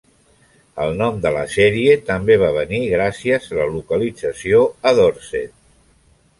El nom de la sèrie també va venir gràcies a la localització a Dorset.